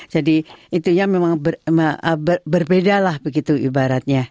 jadi itu ya memang berbeda lah begitu ibaratnya